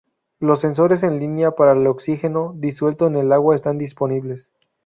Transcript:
Los sensores en línea para el oxígeno disuelto en el agua están disponibles.